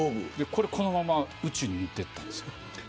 これ、このまま宇宙に持っていったんです。